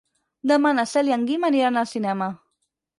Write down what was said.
Demà na Cel i en Guim aniran al cinema.